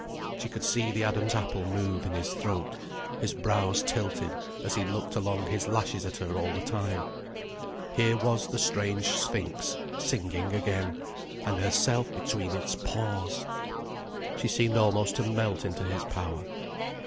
She could see the Adam's apple move in his throat, his brows tilted as he looked along his lashes at her all the time. Here was the strange sphinx singing again, and herself between its paws! She seemed almost to melt into his power.